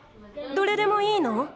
どれでもいいの？